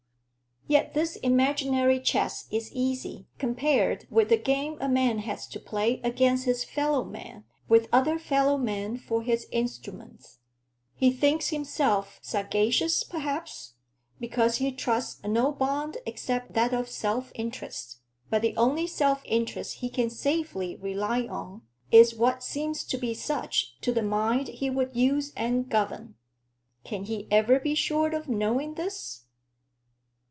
Yet this imaginary chess is easy compared with the game a man has to play against his fellow men with other fellow men for his instruments. He thinks himself sagacious, perhaps, because he trusts no bond except that of self interest: but the only self interest he can safely rely on is what seems to be such to the mind he would use or govern. Can he ever be sure of knowing this?